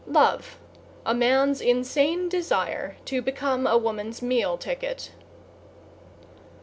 =LOVE= A man's insane desire to become a woman's meal ticket.